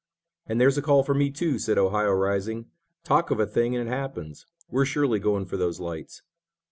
"And there's a call for me, too," said Ohio, rising. "Talk of a thing and it happens. We're surely going for those lights."